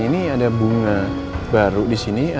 ini ada bunga baru disini